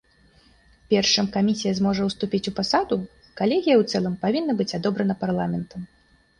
Перш чым камісія зможа ўступіць у пасаду, калегія ў цэлым павінна быць адобрана парламентам.